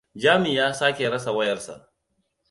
Jami ya sake rasa wayar sa.